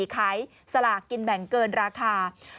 ขายสลากกินแบ่งเกินราคา